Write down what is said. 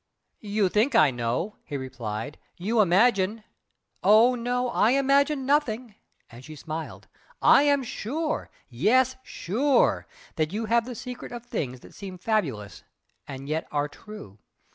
"You think I know!" he replied "You imagine " "Oh, no, I imagine nothing!" and she smiled "I am sure yes, SURE! that you have the secret of things that seem fabulous and yet are true!